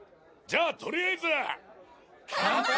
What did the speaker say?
じゃあとりあえず！！